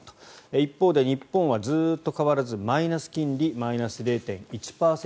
一方で日本はずっと変わらずマイナス金利マイナス０．１％。